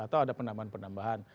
atau ada penambahan penambahan